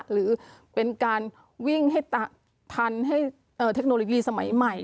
หรือเป็นการวิ่งให้ทันให้เทคโนโลยีสมัยใหม่